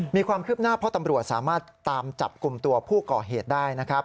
มีความคืบหน้าเพราะตำรวจสามารถตามจับกลุ่มตัวผู้ก่อเหตุได้นะครับ